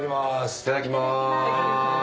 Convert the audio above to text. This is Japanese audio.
いただきます。